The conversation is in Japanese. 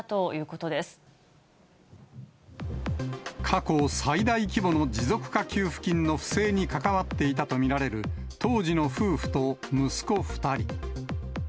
過去最大規模の持続化給付金の不正に関わっていたと見られる、当時の夫婦と息子２人。